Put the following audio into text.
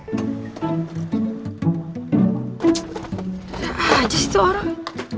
tidak aja sih itu orang